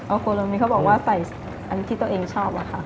อุโครมิเขาบอกว่าใส่อันที่ตัวเองชอบ